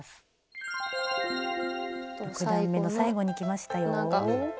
６段めの最後にきましたよ。